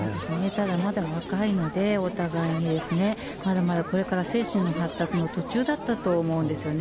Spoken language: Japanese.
ただ、まだ若いので、お互いにですね、まだまだこれから、精神の発達の途中だったと思うんですよね。